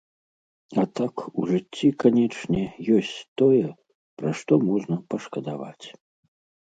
А так у жыцці, канечне, ёсць тое, пра што можна пашкадаваць.